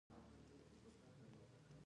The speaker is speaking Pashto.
ایا ستاسو غوږونه اوریدل نه کوي؟